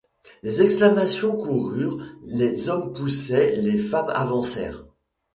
Des exclamations coururent, les hommes poussaient, les femmes avancèrent.